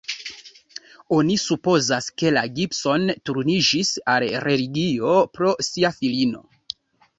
Oni supozas, ke la Gibson turniĝis al religio pro sia filino.